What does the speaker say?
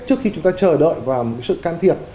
trước khi chúng ta chờ đợi vào sự can thiệp